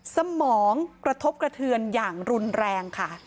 สมองกระทบกระเทือนอย่างรุนแรงค่ะ